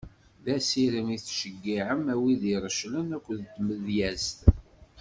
D asirem tettceyyiɛem a wid ireclen akked tmedyezt.